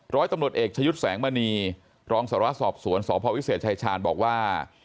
ร้อยตำรวจเอกชะยุทธ์แสงมณีรองสารวสอบสวนสพวิเศษชายชาญบอกว่า